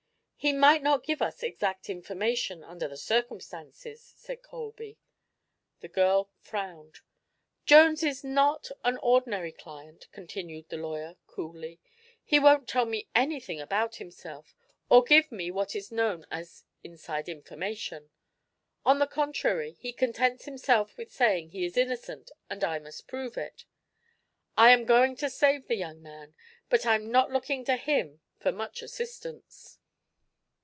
"He might not give us exact information, under the circumstances," said Colby. The girl frowned. "Jones is not an ordinary client," continued the lawyer, coolly. "He won't tell me anything about himself, or give me what is known as 'inside information.' On the contrary, he contents himself with saying he is innocent and I must prove it. I'm going to save the young man, but I'm not looking to him for much assistance."